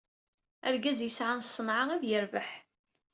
Argaz yesɛan ṣṣenɛa ad yerbeḥ.